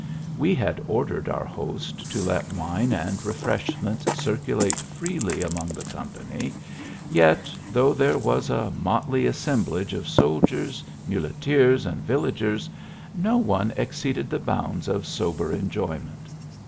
We had ordered our host to let wine and refreshments circulate freely among the company, yet, though there was a motley assem blage of soldiers, muleteers and villagers, no one exceeded the bounds of sober enjoyment.